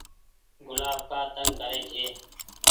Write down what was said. گلآب ڪآ تنگ ري ڇي۔